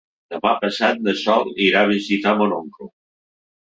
Demà passat na Sol irà a visitar mon oncle.